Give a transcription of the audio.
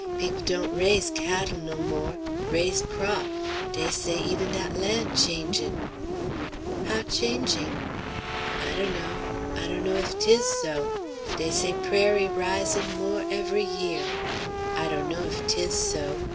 Peop' don't raise cattl' no more; raise crop'. Dey say even dat land changin'." "How changing?" "I dunno. I dunno if 'tis so. Dey say prairie risin' mo' higher every year. I dunno if 'tis so.